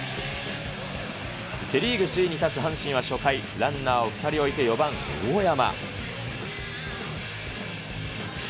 セ・リーグ首位に立つ阪神は初回、ランナーを２人置いて４番大山。